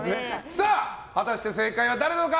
さあ、果たして正解は誰なのか。